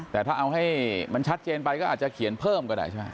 แต่ถ้าเอาให้มันชัดเจนไปก็อาจจะเขียนเพิ่มก็ได้ใช่ไหม